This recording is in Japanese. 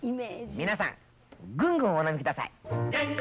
皆さん、ぐんぐんお飲みください。